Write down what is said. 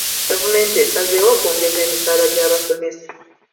Gavumenti esazeewo okwongeza emisaala gy'abasomesa.